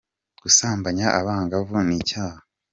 gusambanya abangavu nicyaha.